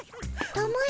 たまえ。